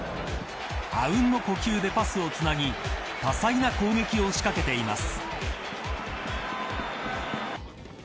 あうんの呼吸でパスをつなぎ多彩な攻撃を仕掛けています。